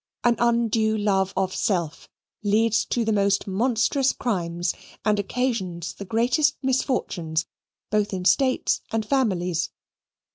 An undue love of Self leads to the most monstrous crimes and occasions the greatest misfortunes both in States and Families.